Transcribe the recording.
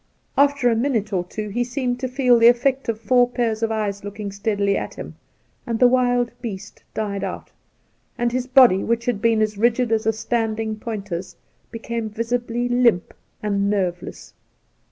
After a minute or two he seemed to feel the effect of four pairs of eyes looking steadily at him, and the wild beast died out, and his body, which had been as rigid as a ' standing ' pointer's, became visibly limp and nerveless.